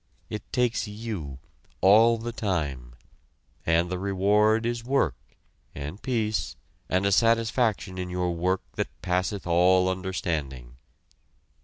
It takes you all the time; and the reward is work, and peace, and a satisfaction in your work that passeth all understanding.